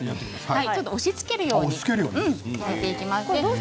押しつけるように焼いてください。